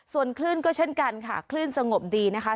ส่วนคลื่นก็เช่นกันค่ะคลื่นสงบดีนะคะ